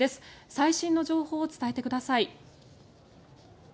最新の情報を伝えてください。